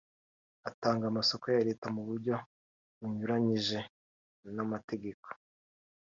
utanga amasoko ya Leta mu buryo bunyuranije n’amategeko